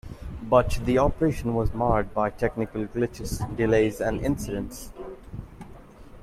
But the operation was marred by technical glitches, delays and incidents.